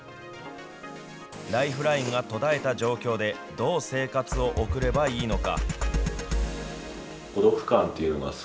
ライフラインが途絶えた状況で、どう生活を送ればいいのか。